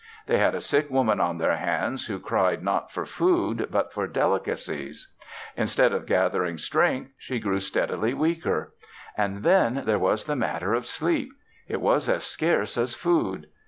They had a sick woman on their hands who cried not for food, but for delicacies. Instead of gathering strength, she grew steadily weaker. And then there was the matter of sleep; it was as scarce as food.